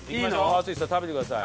淳さん食べてください。